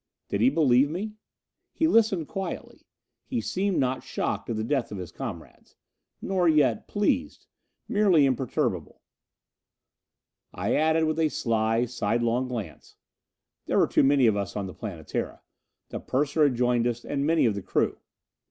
Did he believe me? He listened quietly. He seemed not shocked at the death of his comrades. Nor yet pleased: merely imperturbable. I added with a sly, sidelong glance, "There were too many of us on the Planetara. The purser had joined us, and many of the crew.